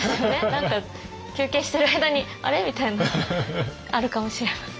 何か休憩してる間に「あれ？」みたいなあるかもしれません。